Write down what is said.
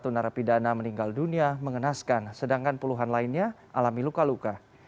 satu narapidana meninggal dunia mengenaskan sedangkan puluhan lainnya alami luka luka